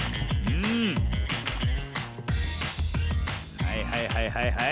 はいはいはいはいはい。